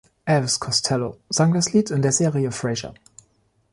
Elvis Costello sang das Lied in der Serie "Frasier".